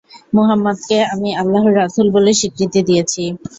মুহাম্মাদকে আমি আল্লাহর রাসূল বলে স্বীকৃতি দিয়েছি।